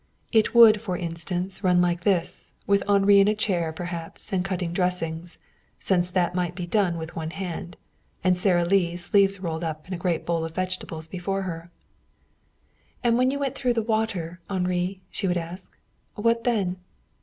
It would, for instance, run like this, with Henri in a chair perhaps, and cutting dressings since that might be done with one hand and Sara Lee, sleeves rolled up and a great bowl of vegetables before her: "And when you got through the water, Henri?" she would ask: "What then?"